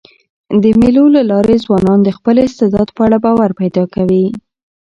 د مېلو له لاري ځوانان د خپل استعداد په اړه باور پیدا کوي.